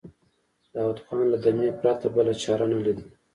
داوود خان له دمې پرته بله چاره نه ليده.